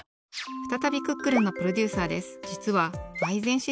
ふたたび「クックルン」のプロデューサーです。